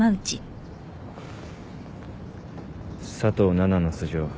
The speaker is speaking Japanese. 佐藤奈々の素性